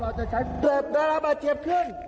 เรากลับตำรามาเตียบขึ้น